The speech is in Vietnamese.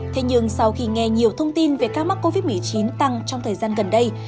thế nhưng sau khi nghe nhiều thông tin về ca mắc covid một mươi chín tăng trong thời gian gần đây